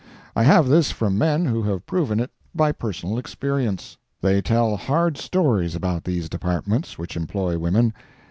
I have this from men who have proven it by personal experience. They tell hard stories about these Departments which employ women.